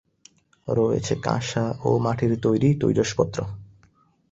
রয়েছে কাঁসা ও মাটির তৈরি তৈজসপত্র।